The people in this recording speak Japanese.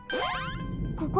ここ。